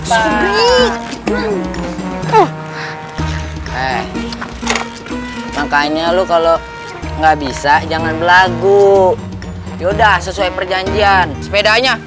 mari makanya lu kalau nggak bisa jangan lagu yaudah sesuai perjanjian sepedanya